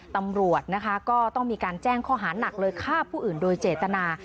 ตำรวจนะคะก็ต้องมีการแจ้งข้อหาหนักเลยฆ่าผู้อื่นโดยเจตนา